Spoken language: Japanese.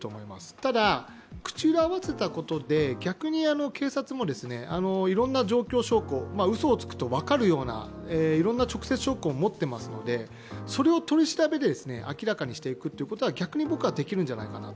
ただ、口裏合わせたことで逆に警察もいろいろな状況証拠、うそをつくと分かるようないろんな直接証拠を持っていますので、それを取り調べで明らかにしていくということは逆に僕はできるんじゃないかと。